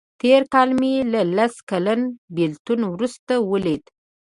تېر کال مې له لس کلن بیلتون وروسته ولیده.